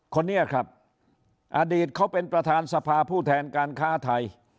คนนี้ครับอดีตเขาเป็นประธานสภาผู้แทนการค้าไทย